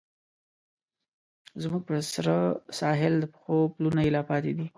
زموږ په سره ساحل، د پښو پلونه یې لا پاتې دي